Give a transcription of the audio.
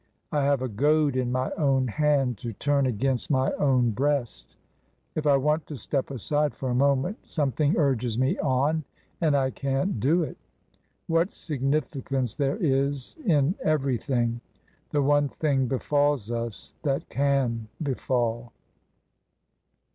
I have a goad in my own hand to turn against my own breast. If I want to step aside for a moment some thing urges me on, and I can't do it. What significance there is in everything! The one thing befalls us that can befall."